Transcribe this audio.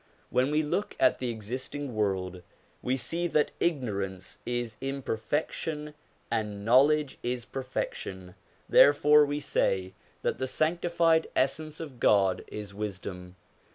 When we look at the existing world, we see that ignorance is imperfection and knowledge is perfection, therefore we say that the sanctified Essence of God is wisdom.